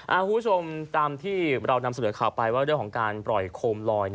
คุณผู้ชมตามที่เรานำเสนอข่าวไปว่าเรื่องของการปล่อยโคมลอย